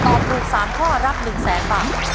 ตอบถูก๓ข้อรับ๑๐๐๐๐๐บาท